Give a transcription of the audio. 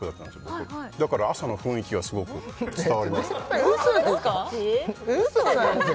僕だから朝の雰囲気はすごく伝わりますウソでしょ？